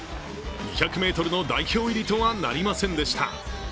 ２００ｍの代表入りとはなりませんでした。